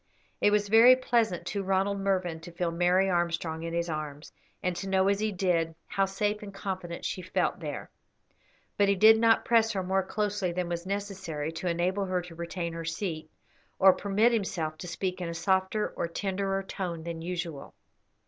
It was very pleasant to Ronald Mervyn to feel Mary Armstrong in his arms, and to know, as he did, how safe and confident she felt there; but he did not press her more closely than was necessary to enable her to retain her seat, or permit himself to speak in a softer or tenderer tone than usual.